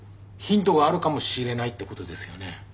ヒントがあるかもしれないってことですよね。